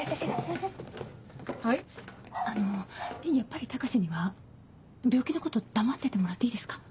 あのやっぱり高志には病気のこと黙っててもらっていいですか？